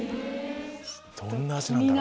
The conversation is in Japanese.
どんな味なんだろう？